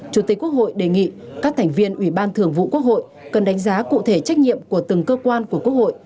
chủ tịch quốc hội đề nghị các thành viên ubthq cần đánh giá cụ thể trách nhiệm của từng cơ quan của quốc hội